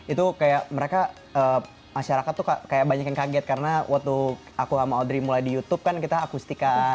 itu kayak mereka masyarakat tuh kayak banyak yang kaget karena waktu aku sama audrey mulai di youtube kan kita akustika